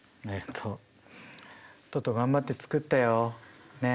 とと頑張って作ったよ。ね。